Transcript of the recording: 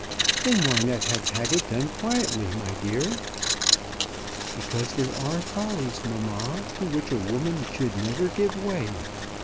"Then why not have had it done quietly, my dear?" "Because there are follies, mamma, to which a woman should never give way.